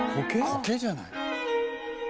コケじゃない？